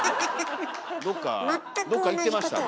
どっか行ってました？